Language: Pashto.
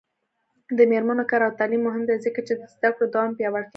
د میرمنو کار او تعلیم مهم دی ځکه چې زدکړو دوام پیاوړتیا کوي.